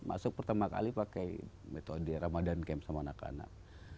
masuk pertama kali pakai metode ramadan camp sama anak anak